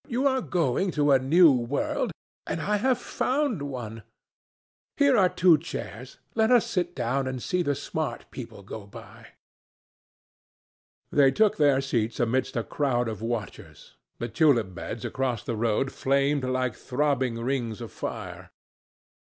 You are going to a new world, and I have found one. Here are two chairs; let us sit down and see the smart people go by." They took their seats amidst a crowd of watchers. The tulip beds across the road flamed like throbbing rings of fire.